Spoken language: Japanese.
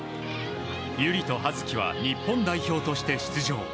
友理と葉月は日本代表として出場。